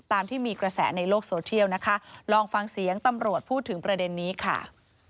ตามที่มีกระแสในโลกโซเทียลนะคะลองฟังเสียงตำรวจพูดถึงประเด็นนี้ค่ะ